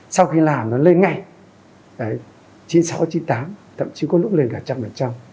sau khi làm nó lên ngay chín mươi sáu chín mươi tám thậm chí có lúc lên cả một trăm linh